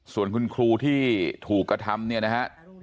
ส่วนคุณครูที่ถูกกระทำเนี่ยนะฮะ